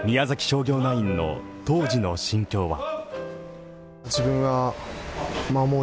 商業ナインの当時の心境は。